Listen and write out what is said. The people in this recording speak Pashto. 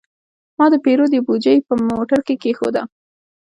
ما د پیرود بوجي په موټر کې کېښوده.